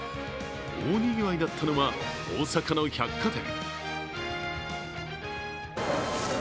大にぎわいだったのは、大阪の百貨店。